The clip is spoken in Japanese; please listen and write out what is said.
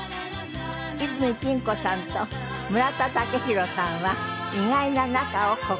泉ピン子さんと村田雄浩さんは意外な仲を告白。